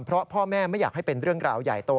เพราะพ่อแม่ไม่อยากให้เป็นเรื่องราวใหญ่โต